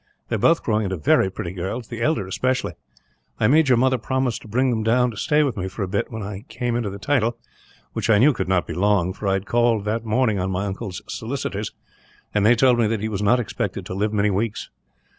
They are both growing into very pretty girls, the elder especially. I made your mother promise to bring them down to stay with me, for a bit, when I came into the title; which I knew could not be long, for I had called that morning on my uncle's solicitors, and they told me that he was not expected to live many weeks.